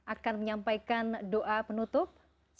akan menyampaikan doa penutup allah yang menjaga kita di dunia ini